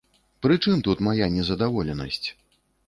Прычым тут мая незадаволенасць?